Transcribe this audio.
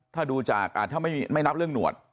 ถ้าดูจากถ้าไม่นับเรื่องหนวด